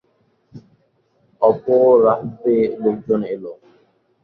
অপরাহ্বে লোকজন এল।